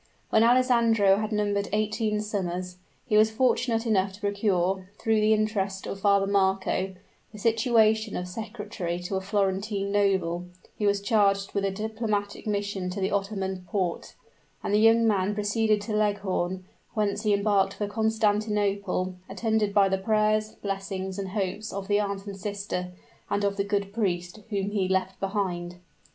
When Alessandro had numbered eighteen summers, he was fortunate enough to procure, through the interest of Father Marco, the situation of secretary to a Florentine noble, who was charged with a diplomatic mission to the Ottoman Porte; and the young man proceeded to Leghorn, whence he embarked for Constantinople, attended by the prayers, blessings, and hopes of the aunt and sister, and of the good priest, whom he left behind.